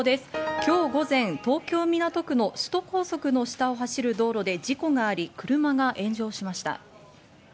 今日午前、東京・港区の首都高速の下を走る道路で事故があり、車が炎上しました。